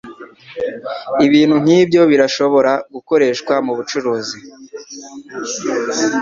Ibintu nk'ibyo birashobora gukoreshwa mu bucuruzi. ”